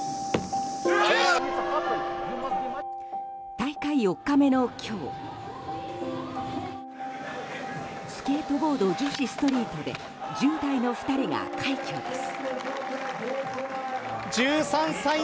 大会４日目の今日スケートボード女子ストリートで１０代の２人が快挙です。